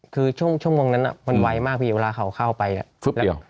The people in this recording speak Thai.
คือช่วงนั้นน่ะมันไวมากพี่เวลาเขาเข้าไปแล้ว